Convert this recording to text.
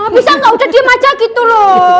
bisa gak udah dia macak gitu loh